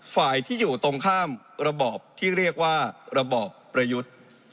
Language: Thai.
ฝ่ายที่อยู่ตรงข้ามระบอบที่เรียกว่าระบอบประยุทธ์